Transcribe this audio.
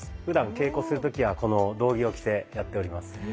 ふだん稽古する時はこの道着を着てやっております。